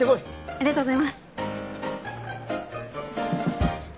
ありがとうございます。